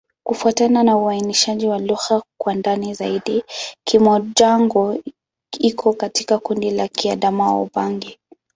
Kufuatana na uainishaji wa lugha kwa ndani zaidi, Kimom-Jango iko katika kundi la Kiadamawa-Ubangi.